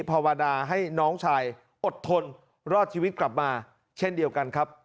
ภาวนาให้น้องชายอดทนรอดชีวิตกลับมาเช่นเดียวกันครับ